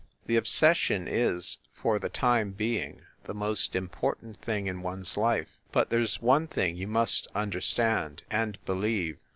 The ob session is, for the time being, the most important thing in one s life. But there s one thing you must understand, and believe.